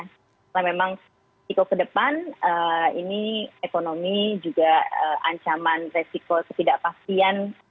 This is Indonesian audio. karena memang itu ke depan ini ekonomi juga ancaman resiko ketidakpastian